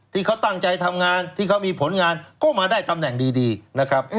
ที่เขาตั้งใจทำงานที่เขามีผลงานก็มาได้ตำแหน่งดีนะครับ